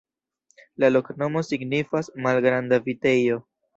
La loknomo signifas: malgranda vitejo.